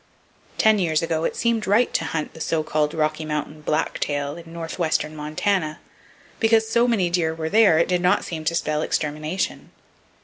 Ten years ago it seemed right to hunt the so called Rocky Mountain "black tail" in northwestern Montana, because so many deer were there it did not seem to spell extermination.